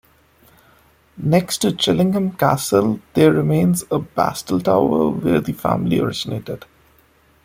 Next to Chillingham Castle there remains a bastle tower where the family originated.